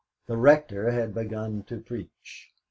The Rector had begun to preach.